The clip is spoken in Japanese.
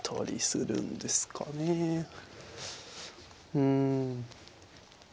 うん。